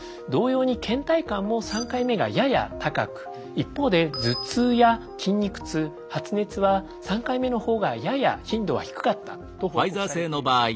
同様にけん怠感も３回目がやや高く一方で頭痛や筋肉痛発熱は３回目の方がやや頻度は低かったと報告されています。